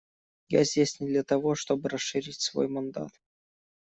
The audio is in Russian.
Я здесь не для того, чтобы расширить свой мандат.